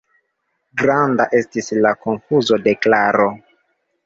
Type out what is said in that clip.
Granda estis la konfuzo de Klaro.